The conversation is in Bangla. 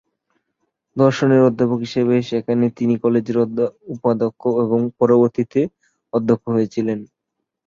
দর্শনের অধ্যাপক হিসাবে সেখানে তিনি কলেজের উপাধ্যক্ষ এবং পরবর্তীতে অধ্যক্ষ হয়েছিলেন।